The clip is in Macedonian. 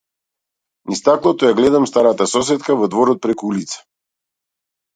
Низ стаклото ја гледам старата сосетка во дворот преку улица.